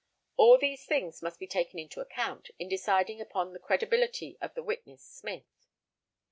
All these things must be taken into account in deciding upon the credibility of the witness Smith.